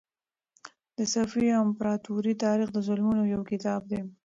د صفوي امپراطورۍ تاریخ د ظلمونو یو کتاب دی.